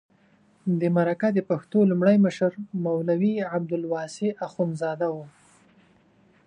د مرکه د پښتو لومړی مشر مولوي عبدالواسع اخندزاده و.